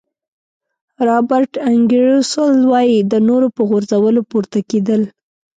رابرټ انګیرسول وایي د نورو په غورځولو پورته کېدل.